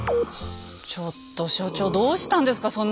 ちょっと所長どうしたんですか。